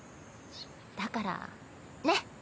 だからねっ。